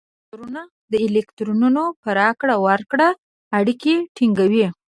عنصرونه د الکترونونو په راکړه ورکړه اړیکې ټینګوي.